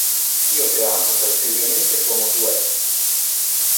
Io te ama precisemente como tu es.